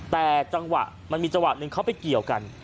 แต่จังหวะมันมีจังหวะหนึ่งเขาไปเกี่ยวกัน